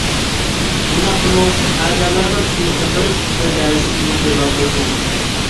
شۇنداقتىمۇ ئەزالارغا چۈشىنىشلىك قىلىپ بىر دەرسلىك تۈزۈپ يوللاپ قويسىڭىز.